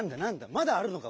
まだあるのか？